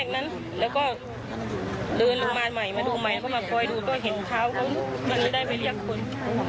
มันก็ไม่ได้ไปเรียกคน